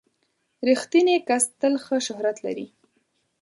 • رښتینی کس تل ښه شهرت لري.